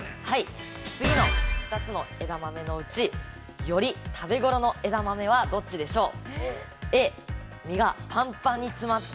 次の２つ枝豆のうち、より食べごろの枝豆はどっちでしょう？